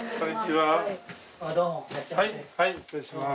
はいはい失礼します。